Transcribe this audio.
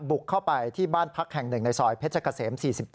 บุกเข้าไปที่บ้านพักแห่งหนึ่งในซอยเพชรเกษม๔๗